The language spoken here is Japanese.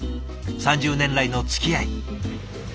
３０年来のつきあい。